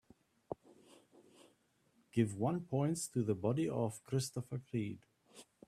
Give one points to The Body of Christopher Creed